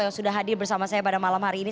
yang sudah hadir bersama saya pada malam hari ini